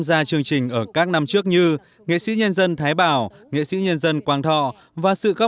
gia chương trình ở các năm trước như nghệ sĩ nhân dân thái bảo nghệ sĩ nhân dân quang thọ và sự góp